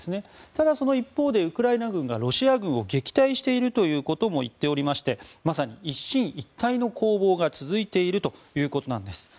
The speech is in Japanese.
ただ、その一方でウクライナ軍がロシア軍を撃退しているということも言っておりましてまさに、一進一退の攻防が続いているということなんです。